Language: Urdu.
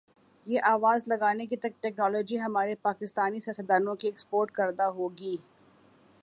یہ آواز لگانے کی ٹیکنالوجی ہمارے پاکستانی سیاستدا نوں کی ایکسپورٹ کردہ ہوگی